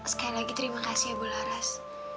sekali lagi terima kasih ya bu laras